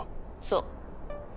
そう。